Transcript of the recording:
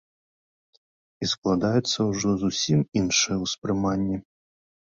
І складаецца ўжо зусім іншае ўспрыманне.